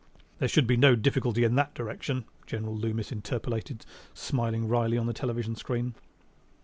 "There should be no difficulty in that direction," General Loomis interpolated, smiling wryly on the television screen.